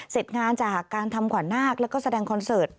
เสร็จงานจากการทำขวานนาคแล้วก็แสดงคอนเสิร์ต